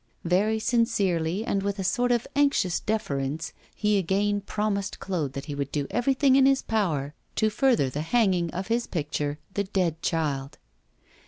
Very sincerely and with a sort of anxious deference he again promised Claude that he would do everything in his power to further the hanging of his picture, 'The Dead Child.